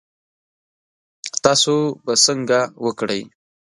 تاسو به څنګه وکړی؟